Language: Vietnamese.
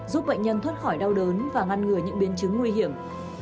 giúp bệnh nhân thoát khỏi đau đớn và ngăn ngừa những biến chứng nguy hiểm